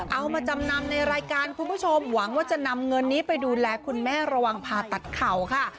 เอามาจำนำในรายการคุณผู้ชมหวังว่าจะนำเงินนี้ไปดูแลคุณแม่ระวังผ่าตัดเข่าค่ะ